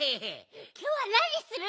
きょうはなにする？